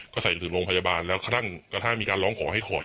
ก็ใส่ถึงโรงพยาบาลแล้วกระทั่งมีการร้องขอให้ถอด